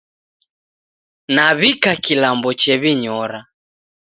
Nawika kilambo chew'inyora